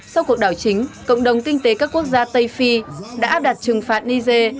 sau cuộc đảo chính cộng đồng kinh tế các quốc gia tây phi đã áp đặt trừng phạt niger